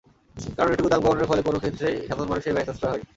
কারণ, এটুকু দাম কমানোর ফলে কোনো ক্ষেত্রেই সাধারণ মানুষের ব্যয় সাশ্রয় হয়নি।